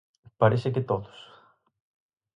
Parece que todos?